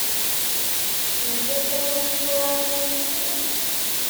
Yella kra n yisura imaynuten?